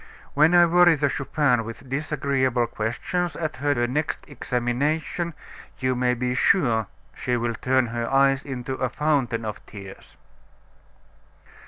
When I worry the Chupin with disagreeable questions, at her next examination, you may be sure she will turn her eyes into a fountain of tears."